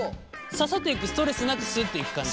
刺さっていくストレスなくスッといく感じ？